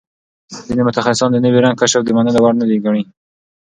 ځینې متخصصان د نوي رنګ کشف د منلو وړ نه ګڼي.